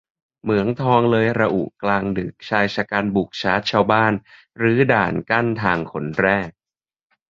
เหมืองทองเลยระอุกลางดึก-ชายฉกรรจ์บุกชาร์จชาวบ้าน-รื้อด่านกั้นทางขนแร่